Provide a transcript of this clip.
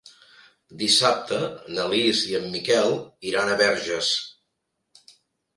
Dissabte na Lis i en Miquel iran a Verges.